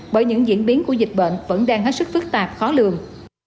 bởi những diễn biến của dịch bệnh vẫn đang hết sức phức tạp khó lường